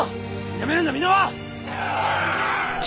やめるんだ箕輪！